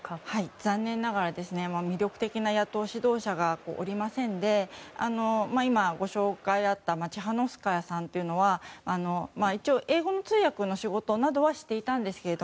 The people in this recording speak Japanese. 残念ながら魅力的な野党指導者がおりませんで今、ご紹介があったチハノフスカヤさんというのは通訳などの仕事などはしていたんですけど